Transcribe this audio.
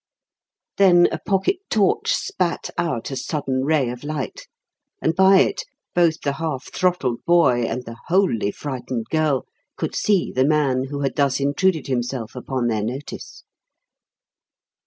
Then a pocket torch spat out a sudden ray of light; and by it both the half throttled boy and the wholly frightened girl could see the man who had thus intruded himself upon their notice.